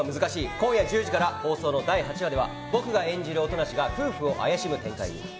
今夜１０時から放送の第８話では僕が演じる音無が夫婦を怪しむ展開に。